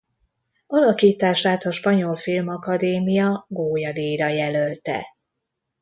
Alakítását a Spanyol Filmakadémia Goya-díjra jelölte.